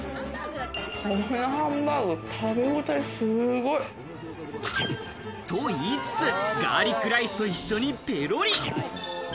このハンバーグ食べごたえすごい。と言いつつ、ガーリックライスと一緒にペロリ。